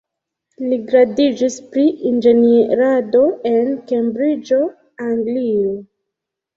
Li gradiĝis pri Inĝenierado en Kembriĝo, Anglio.